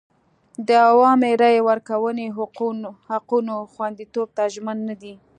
د عمومي رایې ورکونې حقونو خوندیتوب ته ژمن نه دی.